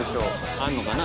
あるのかな。